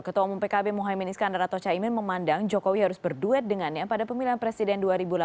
ketua umum pkb mohaimin iskandar atau caimin memandang jokowi harus berduet dengannya pada pemilihan presiden dua ribu delapan belas